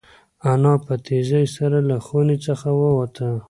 انا په تېزۍ سره له خونې څخه ووته.